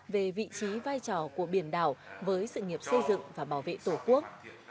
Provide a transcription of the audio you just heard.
về vị trí vai trò của biển đảo với sự nghiệp xây dựng và bảo vệ tổ quốc